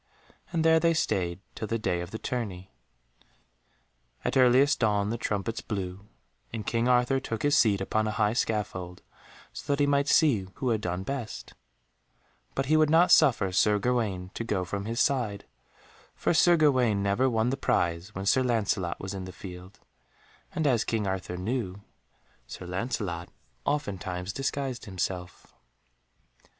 And there they stayed till the day of the tourney. At earliest dawn the trumpets blew, and King Arthur took his seat upon a high scaffold, so that he might see who had done best; but he would not suffer Sir Gawaine to go from his side, for Sir Gawaine never won the prize when Sir Lancelot was in the field, and as King Arthur knew, Sir Lancelot oftentimes disguised himself.